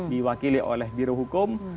diwakili oleh birohukum